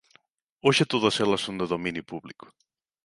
Hoxe todas elas son de dominio público.